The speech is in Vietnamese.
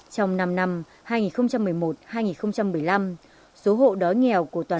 trong năm năm hai nghìn một mươi một hai nghìn một mươi năm số hộ đó nghèo của tòa nhà